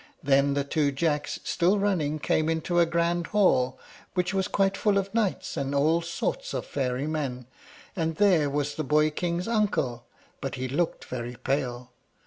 Then the two Jacks, still running, came into a grand hall, which was quite full of knights and all sorts of fairy men, and there was the boy king's uncle, but he looked very pale.